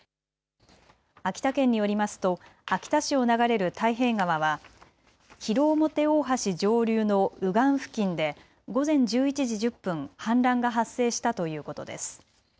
秋田県によりますと秋田市を流れる太平川は広面大橋上流の右岸付近で午前１１時１０分、氾濫が発生したということです。